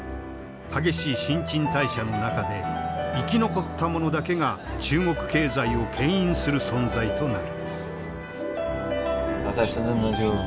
激しい新陳代謝の中で生き残ったものだけが中国経済をけん引する存在となる。